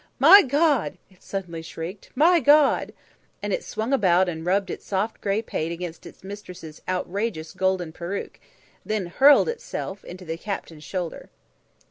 "My Gawd!" it suddenly shrieked. "My Gawd!" And it swung about and rubbed its soft grey pate against its mistress's outrageous golden perruque, then hurled itself onto the captain's shoulder.